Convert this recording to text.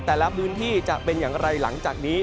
แต่ละพื้นที่จะเป็นอย่างไรหลังจากนี้